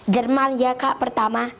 jerman ya kak pertama